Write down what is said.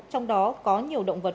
trong đó có nhiều động vật